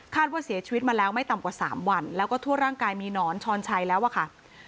ว่าเสียชีวิตมาแล้วไม่ต่ำกว่า๓วันแล้วก็ทั่วร่างกายมีหนอนช้อนชัยแล้วอะค่ะ